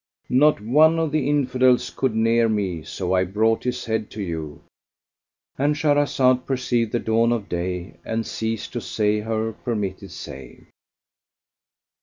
Not one of the Infidels could near me; so I brought his head to you,"—And Shahrazad perceived the dawn of day and ceased to say her permitted say.